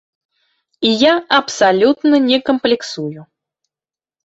І я абсалютна не камплексую.